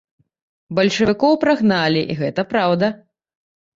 Бальшавікоў прагналі, і гэта праўда.